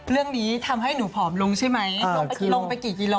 เรื่องนี้ทำให้หนูผอมลงใช่ไหมลงไปกี่กิโล